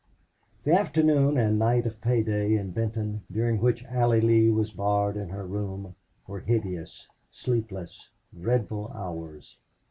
25 The afternoon and night of pay day in Benton, during which Allie Lee was barred in her room, were hideous, sleepless, dreadful hours.